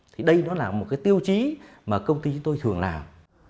thì đây nó là một cái tiêu chí mà công ty chúng tôi thường làm